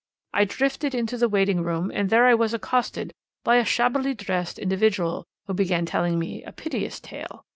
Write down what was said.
I drifted into the waiting room, and there I was accosted by a shabbily dressed individual, who began telling me a piteous tale.